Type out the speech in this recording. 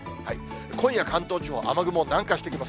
今夜、関東地方、雨雲南下してきます。